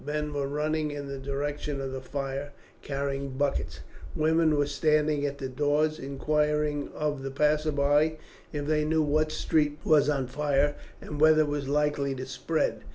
Men were running in the direction of the fire carrying buckets; women were standing at the doors inquiring of the passersby if they knew what street was on fire, and whether it was likely to spread.